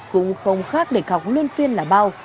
cũng không khác để khóc lươn phiên là bao